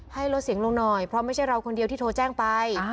ให้ลดเสียงลงหน่อยเพราะไม่ใช่เราคนเดียวที่โทรแจ้งไป